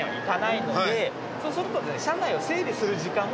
そうすると。